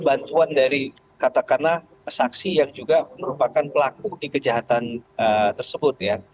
bantuan dari katakanlah saksi yang juga merupakan pelaku di kejahatan tersebut ya